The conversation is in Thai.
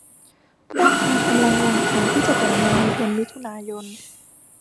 พวกเขากำลังวางแผนที่จะแต่งงานในเดือนมิถุนายน